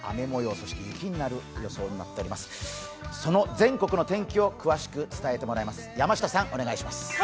その全国の天気を詳しく伝えてもらいます。